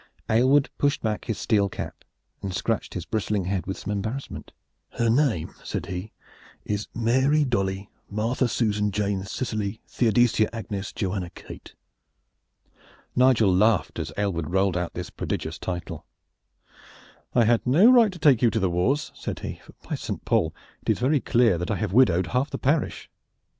Aylward pushed back his steel cap and scratched his bristling head with some embarrassment. "Her name," said he, "is Mary Dolly Martha Susan Jane Cicely Theodosia Agnes Johanna Kate." Nigel laughed as Aylward rolled out this prodigious title. "I had no right to take you to the wars," said he; "for by Saint Paul! it is very clear that I have widowed half the parish.